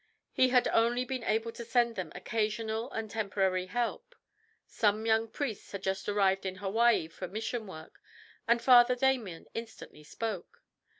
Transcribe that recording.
He had only been able to send them occasional and temporary help. Some young priests had just arrived in Hawaii for mission work, and Father Damien instantly spoke.